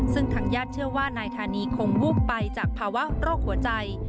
ซึ่งทางญาติเชื่อว่านายธานีคงวูบไปจากภาวะโรคหัวใจ